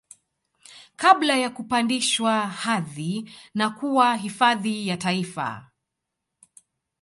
Kabla ya kupandishwa hadhi na kuwa hifadhi ya taifa